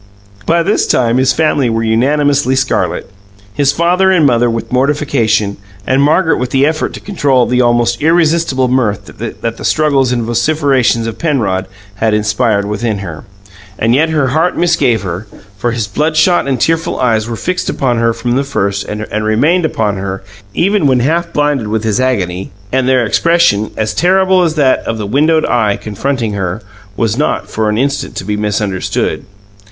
By this time his family were unanimously scarlet his father and mother with mortification, and Margaret with the effort to control the almost irresistible mirth that the struggles and vociferations of Penrod had inspired within her. And yet her heart misgave her, for his bloodshot and tearful eyes were fixed upon her from the first and remained upon her, even when half blinded with his agony; and their expression as terrible as that of the windowed Eye confronting her was not for an instant to be misunderstood.